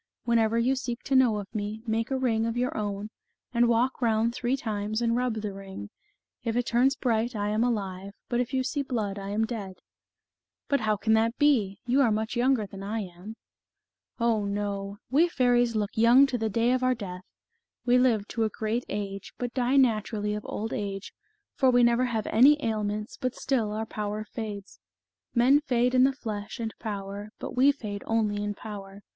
Whenever you seek to know of me, make a ring of your own, and walk round three times and rub the ring ; if it turns bright I am alive, but if you see blood I am dead." 40 The Fairy of the Dell. "But how can that be? You are much younger than I am." " Oh, no ! we fairies look young to the day of our death ; we live to a great age, but die naturally of old age, for we never have any ailments, but still our power fades. Men fade in the flesh and power, but we fade only in power.